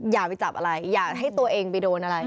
อย่าไปจับอะไรอยากให้ตัวเองไปโดนอะไร